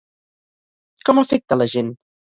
Com afecta la gent?